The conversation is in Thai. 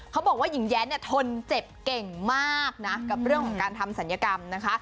เขาบอกว่าหญิงแย้นเนี่ยทนเจ็บเก่งมากนะกับเรื่องของการทำศัลยกรรมนะคะ